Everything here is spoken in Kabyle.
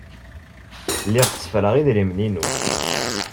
Lliɣ tteffreɣ idrimen-inu.